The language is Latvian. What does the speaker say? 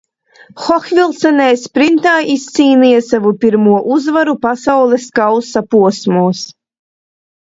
Hohfilcenē sprintā izcīnīja savu pirmo uzvaru Pasaules kausa posmos.